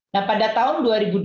nah pada tahun dua ribu dua puluh